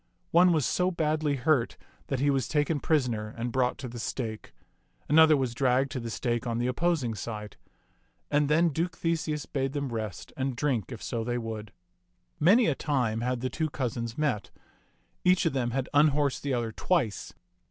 One was so badly hurt that he was taken prisoner and brought to the stake; an other was dragged to the stake on the opposing side. And then Duke Theseus bade them rest and drink if so they would. Many a time had the two cousins met. Each of them had unhorsed the other twice.